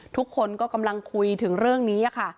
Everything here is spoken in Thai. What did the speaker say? ทุกคนก็กำลังคุยถึงเรื่องนี้ค่ะ